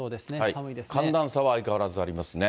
寒暖差は相変わらずありますね。